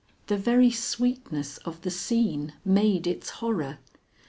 The very sweetness of the scene made its horror.